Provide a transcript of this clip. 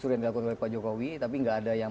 yang diperlukan oleh pak jokowi tapi tidak ada yang